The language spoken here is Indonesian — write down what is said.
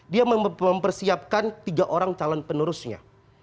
dia mempersiapkan tiga orang calon penerusnya